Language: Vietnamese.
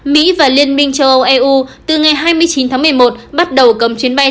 mỹ và liên minh châu âu eu từ ngày hai mươi chín tháng một mươi một bắt đầu cấm chuyến bay